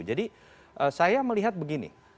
jadi saya melihat begini